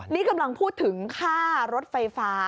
นี่กำลังพูดถึงค่ารถไฟฟ้า